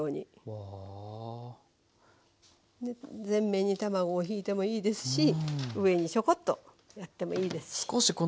全面に卵をひいてもいいですし上にちょこっとやってもいいですし。